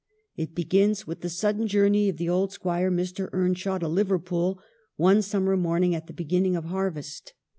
It begins with the sudden journey of the old squire, Mr. Earnshaw, to Liverpool one summer morning at the beginning of harvest.